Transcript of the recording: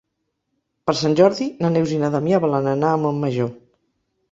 Per Sant Jordi na Neus i na Damià volen anar a Montmajor.